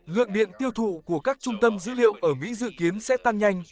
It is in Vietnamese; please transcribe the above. lượng điện tiêu thụ của các trung tâm dữ liệu ở mỹ dự kiến sẽ tăng nhanh